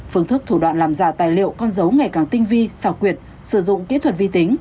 phương thức thủ đoạn làm giả tài liệu con dấu ngày càng tinh vi xảo quyệt sử dụng kỹ thuật vi tính